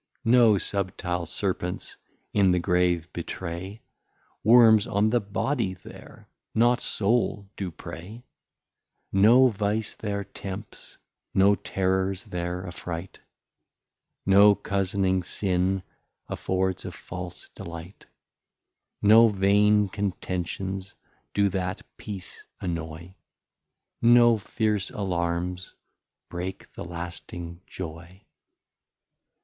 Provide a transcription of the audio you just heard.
No subtile Serpents in the Grave betray, Worms on the Body there, not Soul do prey; No Vice there Tempts, no Terrors there afright, No Coz'ning Sin affords a false delight: No vain Contentions do that Peace annoy, No feirce Alarms break the lasting Joy.